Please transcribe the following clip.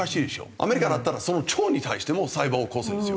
アメリカだったらその町に対しても裁判を起こすんですよ。